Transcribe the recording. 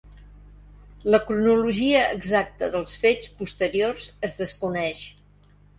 La cronologia exacta dels fets posteriors es desconeix.